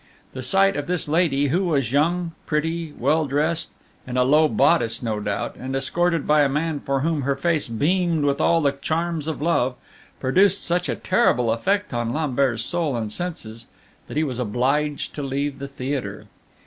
The sight of this lady, who was young, pretty, well dressed, in a low bodice no doubt, and escorted by a man for whom her face beamed with all the charms of love, produced such a terrible effect on Lambert's soul and senses, that he was obliged to leave the theatre.